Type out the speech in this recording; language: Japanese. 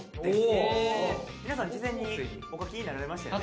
皆さん事前にお描きになられましたよね？